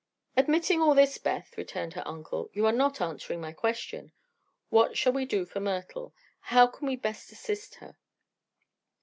"Admitting all this, Beth," returned her uncle, "you are not answering my question. What shall we do for Myrtle? How can we best assist her?"